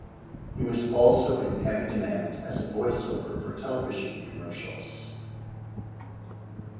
He was also in heavy demand as a voice-over for television commercials.